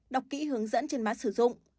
đọc kỹ hướng dẫn trên mát sử dụng